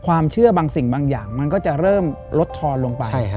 ความเชื่อบางสิ่งบางอย่างมันก็จะเริ่มลดทอนลงไป